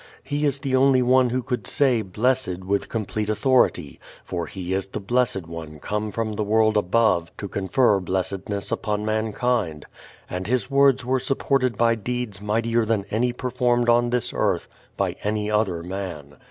He is the only one who could say "blessed" with complete authority, for He is the Blessed One come from the world above to confer blessedness upon mankind. And His words were supported by deeds mightier than any performed on this earth by any other man.